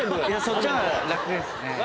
そっちの方が楽ですね。